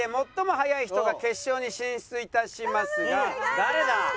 誰だ？